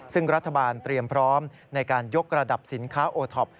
ซึ่งรัฐบาลเตรียมพร้อมในการยกระดับสินค้าโอท็อป